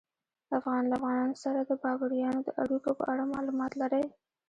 له افغانانو سره د بابریانو د اړیکو په اړه معلومات لرئ؟